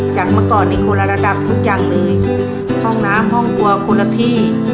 เมื่อก่อนนี้คนละระดับทุกอย่างเลยห้องน้ำห้องครัวคนละที่